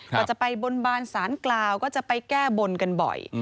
ก็จะไปบนบานสารกล่าวก็จะไปแก้บนกันบ่อย